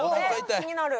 気になる。